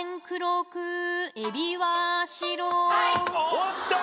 おっと！